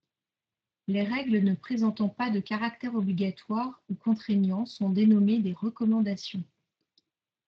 Les règles ne présentant pas de caractère obligatoire ou contraignant sont dénommées des recommandations.